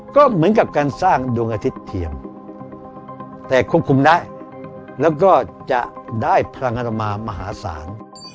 ก็เหมือนกับการสร้างดวงอาทิตย์เทียมแต่ควบคุมได้แล้วก็จะได้พลังอัตมามหาศาล